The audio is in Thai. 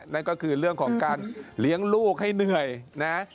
นั่นก็คือเรื่องของการเลี้ยงลูกให้เหนื่อยนะ